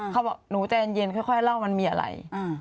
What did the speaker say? เขาบอกหนูใจเย็นค่อยเล่ามันมีอะไร